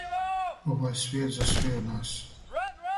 Ово је свијет за свију нас.